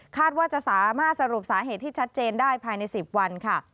ว่าจะสามารถสรุปสาเหตุที่ชัดเจนได้ภายใน๑๐วันค่ะ